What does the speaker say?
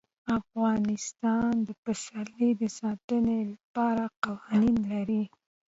افغانستان د پسرلی د ساتنې لپاره قوانین لري.